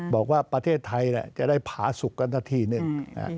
บอกว่าประเทศไทยจะได้ผาสุขกันสักทีหนึ่ง